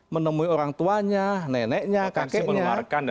menemui orang tuanya neneknya kakeknya